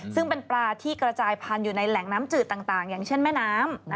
ซึ่งเป็นปลาที่กระจายพันธุ์อยู่ในแหล่งน้ำจืดต่างอย่างเช่นแม่น้ำ